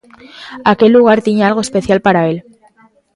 Aquel lugar tiña algo especial para el.